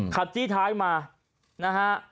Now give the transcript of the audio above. จี้ท้ายมานะฮะ